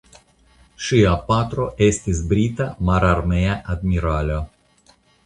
Ŝia patro estis brita mararmea admiralo.